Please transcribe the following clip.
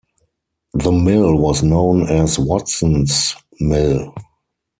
The mill was known as Watson's Mill.